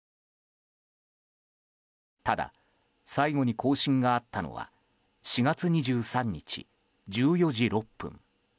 ただ、最後に更新があったのは４月２３日、１４時６分。